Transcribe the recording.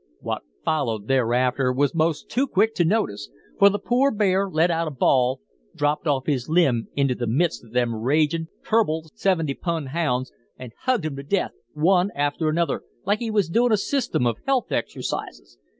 What followed thereafter was most too quick to notice, for the poor bear let out a bawl, dropped off his limb into the midst of them ragin', tur'ble, seventy pun hounds, an' hugged 'em to death, one after another, like he was doin' a system of health exercises.